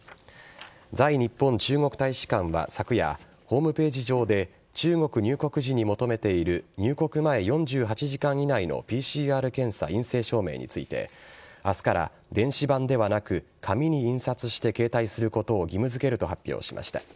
在日本中国大使館は昨夜、ホームページ上で中国入国時に求めている入国前４８時間以内のＰＣＲ検査陰性証明について、あすから電子版ではなく、紙に印刷して携帯することを義務づけると発表しました。